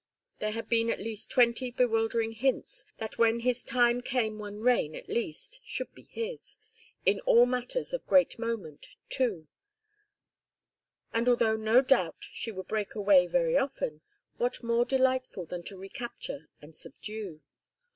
There had been at least twenty bewildering hints that when his time came one rein, at least, should be his in all matters of great moment, two and although no doubt she would break away very often, what more delightful than to recapture and subdue?